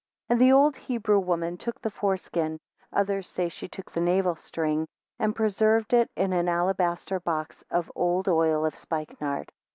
2 And the old Hebrew woman took the foreskin (others say she took the navel string), and preserved it in an alabaster box of old oil of spikenard.